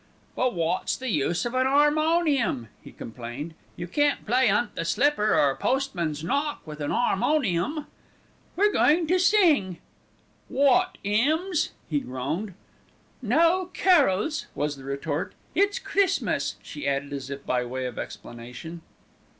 "But wot's the use of an 'armonium," he complained. "You can't play 'unt the slipper, or postman's knock with an 'armonium." "We're going to sing." "Wot, 'ymns?" he groaned. "No, carols," was the retort. "It's Christmas," she added as if by way of explanation.